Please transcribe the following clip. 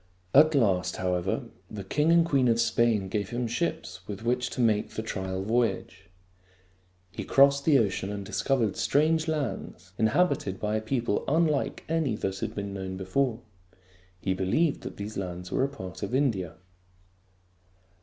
At last, however, the king and queen of Spain gave him ships with which to make the trial voyage. He crossed the ocean and discovered strange lands, inhabited by a people unlike any that had been known before. He believed that these lands were a part of India.